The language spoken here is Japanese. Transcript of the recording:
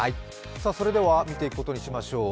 それでは見ていくことにしましょう。